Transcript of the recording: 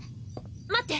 待って！